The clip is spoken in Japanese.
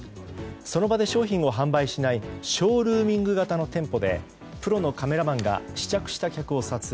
その場で商品を販売しないショールーミング型の店舗でプロのカメラマンが試着した客を撮影。